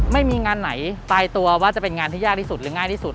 ไม่มีงานไหนตายตัวว่าจะเป็นงานที่ยากที่สุดหรือง่ายที่สุด